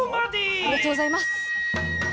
ありがとうございます。